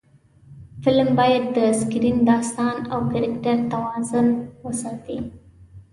فلم باید د سکرېن، داستان او کرکټر توازن وساتي